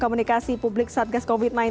komunikasi publik satgas covid sembilan belas